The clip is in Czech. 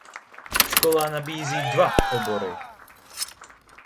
Škola nabízí dva obory.